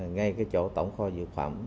ngay chỗ tổng kho dự phẩm